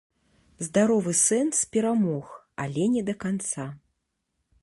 Здаровы сэнс перамог, але не да канца.